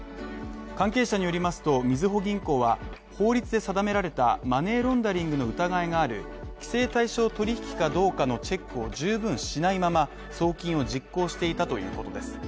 関係者によりますと、みずほ銀行は、法律で定められたマネーロンダリングの疑いがある規制対象取引かどうかのチェックを十分しないまま送金を実行していたということです。